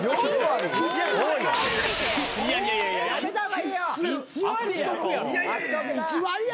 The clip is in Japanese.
やめた方がいいよ。